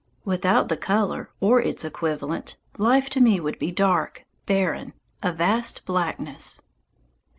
Without the colour or its equivalent, life to me would be dark, barren, a vast blackness.